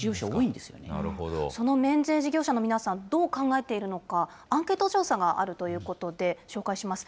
その免税事業者の皆さん、どう考えているのか、アンケート調査があるということで、紹介します。